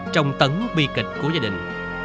trong tấn bi kịch của gia đình